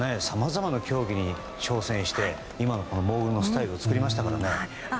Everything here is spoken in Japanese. さまざまな競技に挑戦して今のモーグルのスタイルを作りましたからね。